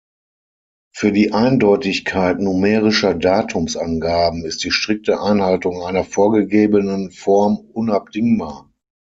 Für die Eindeutigkeit numerischer Datumsangaben ist die strikte Einhaltung einer vorgegebenen Form unabdingbar.